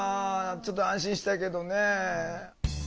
ちょっと安心したけどね。